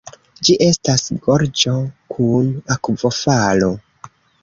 Ĝi estas gorĝo kun akvofalo.